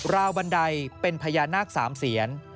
ราวบันไดเป็นพญานาคสามเซียน